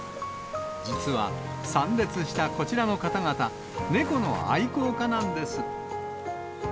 実は参列したこちらの方々、猫の愛好家なんです。